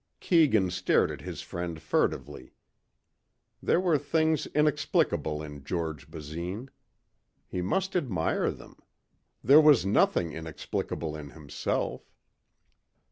Keegan stared at his friend furtively. There were things inexplicable in George Basine. He must admire them. There was nothing inexplicable in himself.